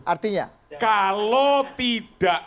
artinya kalau tidak